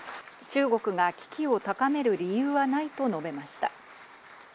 中国が危機を高める理由はないと述べました。